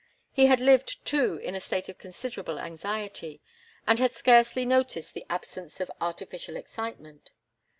He had lived, too, in a state of considerable anxiety, and had scarcely noticed the absence of artificial excitement.